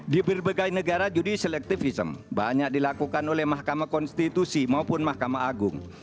di berbagai negara judi selectivism banyak dilakukan oleh mahkamah konstitusi maupun mahkamah agung